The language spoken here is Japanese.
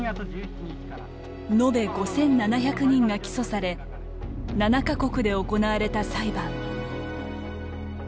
延べ５７００人が起訴され７か国で行われた裁判。